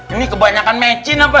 ini kebanyakan mecin apa